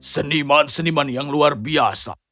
seniman seniman yang luar biasa